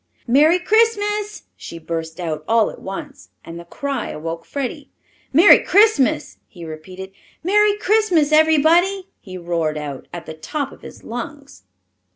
"Merry Christmas!" she burst out, all at once, and the cry awoke Freddie. "Merry Christmas!" he repeated. "Merry Christmas, ev'rybody!" he roared out, at the top of his lungs.